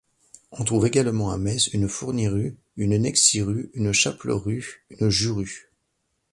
On trouve également à Metz une Fournirue, une Nexirue, une Chaplerue, une Jurue.